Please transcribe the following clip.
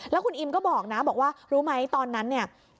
แล้วคุณอิมก็บอกนะบอกว่ารู้ไหมตอนนั้นเนี่ย